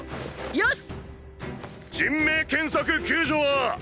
よし！